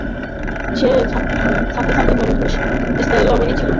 এই ছাতে ছাতে বন্ধুত্ব-বিস্তারে লাবণ্যই ছিল সকলের চেয়ে উৎসাহী।